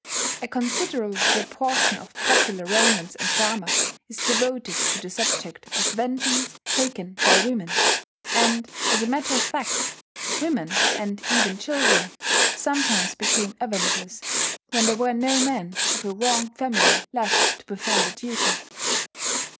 A considerable proportion of popular romance and drama is devoted to the subject of vengeance taken by women; and, as a matter of fact, women, and even children, sometimes became avengers when there were no men of a wronged family left to perform the duty.